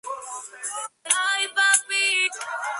El caso ocurrió en la ciudad de Massa, región de Toscana.